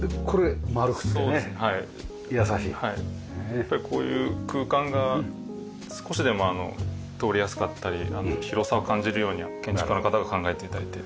やっぱりこういう空間が少しでもあの通りやすかったり広さを感じるように建築家の方が考えて頂いて。